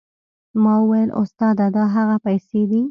ما وويل استاده دا هغه پيسې دي.